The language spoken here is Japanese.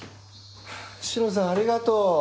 シロさんありがとう。